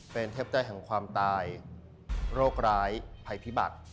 เป็นเทพใจแห่งความตายโรคร้ายภัยพิบัติ